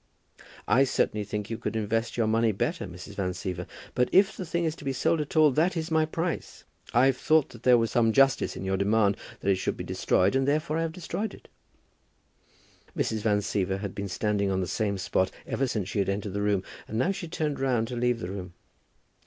"I certainly think you could invest your money better, Mrs. Van Siever. But if the thing is to be sold at all, that is my price. I've thought that there was some justice in your demand that it should be destroyed, and therefore I have destroyed it." Mrs. Van Siever had been standing on the same spot ever since she had entered the room, and now she turned round to leave the room.